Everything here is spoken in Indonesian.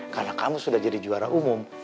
karena kamu sudah jadi juara umum